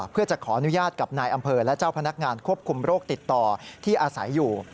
เพื่อจะขออนุญาตกับนายอำเภอและเจ้าพนักงานควบคุมโรคติดต่อที่อาศัยอยู่